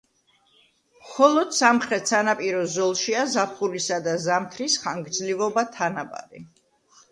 მხოლოდ სამხრეთ სანაპირო ზოლშია ზაფხულისა და ზამთრის ხანგრძლივობა თანაბარი.